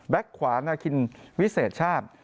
ขวางนาคินวิเศษชาติ